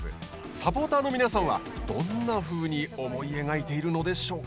サポーターの皆さんはどんなふうに思い描いているのでしょうか。